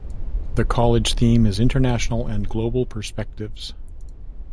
The college theme is "International and Global Perspectives".